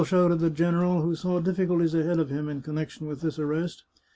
shouted the general, who saw diffi culties ahead of him in connection with this arrest.